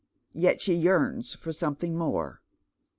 Yet she yearns for something more.